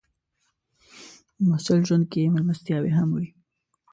د محصل ژوند کې مېلمستیاوې هم وي.